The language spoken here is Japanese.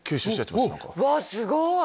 うわすごい！